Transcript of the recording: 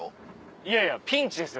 いやいやピンチですよ